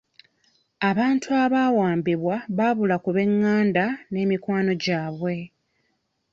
Abantu abawambibwa babula ku b'enganda n'emikwano gyabwe